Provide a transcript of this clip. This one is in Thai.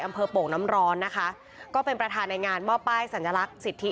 โป่งน้ำร้อนนะคะก็เป็นประธานในงานมอบป้ายสัญลักษณ์สิทธิ